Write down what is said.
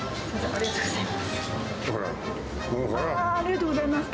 ありがとうございます。